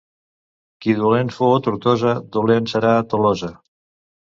Qui dolent fou a Tortosa, dolent serà a Tolosa.